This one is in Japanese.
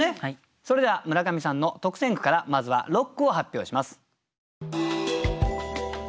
それでは村上さんの特選句からまずは６句を発表します。